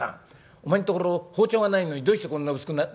お前んところ包丁がないのにどうしてこんな薄く。